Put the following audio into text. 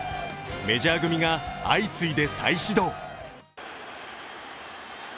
メジャー組が相次いで再始動。